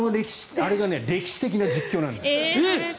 歴史的な実況なんです。